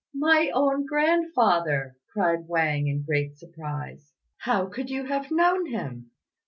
"My own grandfather!" cried Wang, in great surprise; "how could you have known him?"